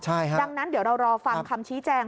ดังนั้นเดี๋ยวเรารอฟังคำชี้แจง